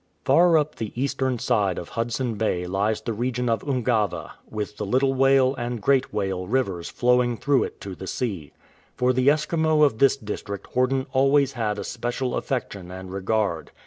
Far up the eastern side of Hudson Bay lies the region of Ungava, with the Little Whale and Great Whale rivers flowing through it to the sea. For the Eskimo of this district Horden always had a special affection and regard.